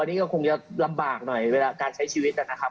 อันนี้ก็คงจะลำบากหน่อยเวลาการใช้ชีวิตนะครับ